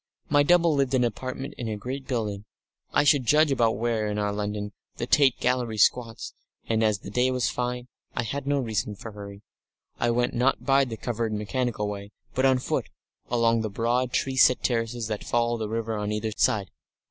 My double lived in an apartment in a great building I should judge about where, in our London, the Tate Gallery squats, and, as the day was fine, and I had no reason for hurry, I went not by the covered mechanical way, but on foot along the broad, tree set terraces that follow the river on either side.